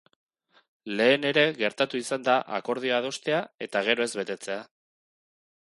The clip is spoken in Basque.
Lehen ere gertatu izan da akordioa adostea eta gero ez betetzea.